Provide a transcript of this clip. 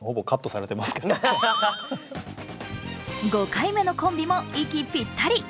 ５回目のコンビも息ぴったり。